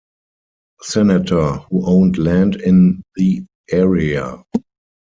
Senator who owned land in the area.